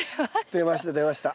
出ました出ました。